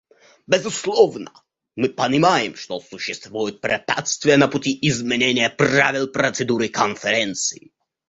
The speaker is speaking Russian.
Безусловно, мы понимаем, что существуют препятствия на пути изменения правил процедуры Конференции.